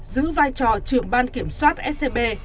giữ vai trò trưởng ban kiểm soát scb